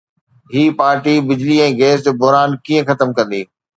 هي party بجلي ۽ gas جو بحران ڪيئن ختم ڪندي؟